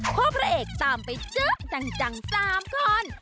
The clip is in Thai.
พ่อพระเอกตามไปเจ๊ะจังจังสามคอน